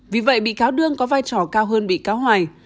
vì vậy bị cáo đương có vai trò cao hơn bị cáo hoài